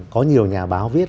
có nhiều nhà báo viết